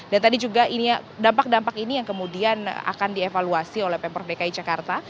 dan tadi juga dampak dampak ini yang kemudian akan dievaluasi oleh pemprov dki jakarta